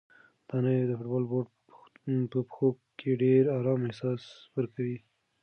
دا نوی د فوټبال بوټ په پښو کې د ډېر ارام احساس ورکوي.